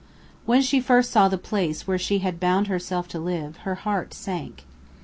When she first saw the place where she had bound herself to live, her heart sank.